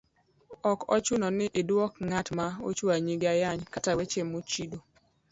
Ok ochuno ni idwok ng'at ma ochwanyi gi ayany kata weche mochido,